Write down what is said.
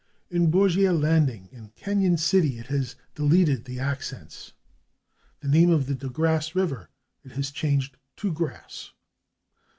In /Bougére landing/ and /Cañon City/ it has deleted the accents. The name of the /De Grasse river/ it has changed to /Grass